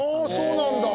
そうなんだ。